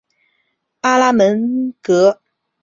阿拉门戈。